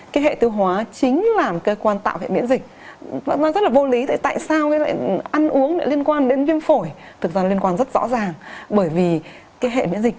cái hệ tư hóa chính là một cơ quan tạo hệ miễn dịch